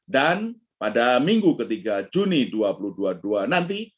dan pada minggu ketiga juni dua ribu dua puluh dua